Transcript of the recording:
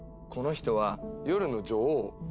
この人は「夜の女王」。